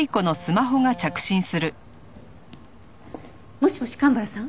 もしもし蒲原さん？